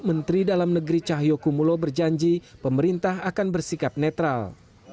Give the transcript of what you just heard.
menteri dalam negeri cahyokumulo berjanji pemerintah akan bersikap netral